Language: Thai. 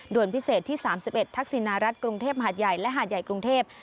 พิเศษที่๓๑ทักษิณรัฐกรุงเทพหาดใหญ่และหาดใหญ่กรุงเทพ